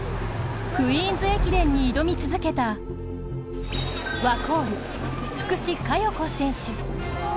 クイーンズ駅伝に挑み続けたワコール・福士加代子選手。